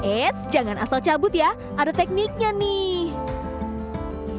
eits jangan asal cabut ya ada tekniknya nih